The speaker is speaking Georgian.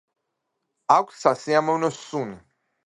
აქვს სასიამოვნო სუნი.